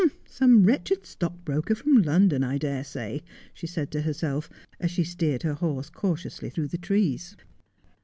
' Some wretched stockbroker from London, I dare say,' she said to herself, as she steered her horse cautiously through the trees.